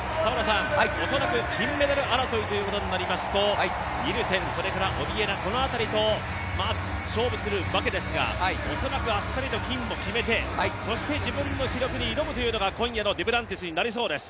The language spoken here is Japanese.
恐らく金メダル争いということになりますと、ニルセン、それからオビエナ、この辺りと勝負するわけですが、恐らくあっさりと金も決めて、そして自分の記録に挑むという今夜のデュプランティスになりそうです。